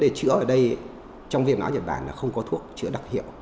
chúng tôi chữa ở đây trong viêm não nhật bản là không có thuốc chữa đặc hiệu